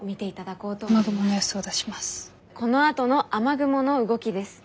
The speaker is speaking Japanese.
このあとの雨雲の動きです。